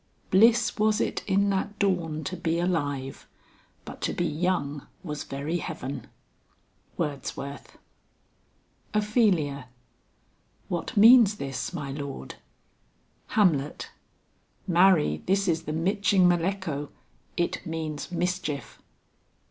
"Bliss was it in that dawn to be alive, But to be young was very heaven." WORDSWORTH. Oph. What means this, my lord? Ham. Marry, this is the miching mallecho; it means mischief."